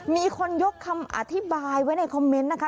มีคนยกคำอธิบายไว้ในคอมเมนต์นะคะ